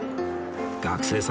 学生さん